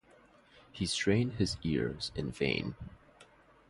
He strained his ears in vain.